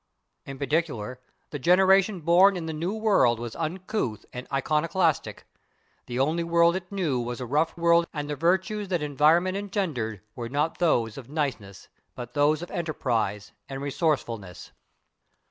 In particular, the generation born in the New World was uncouth and iconoclastic; the only world it knew was a rough world, and the virtues that environment engendered were not those of niceness, but those of enterprise and resourcefulness.